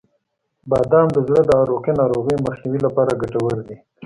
• بادام د زړه د عروقی ناروغیو مخنیوي لپاره ګټور دي.